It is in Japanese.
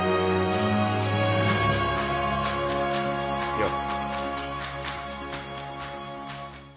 よう。